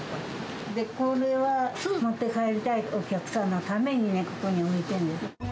これは、すぐ持って帰りたいお客さんのためにね、ここに置いてるんです。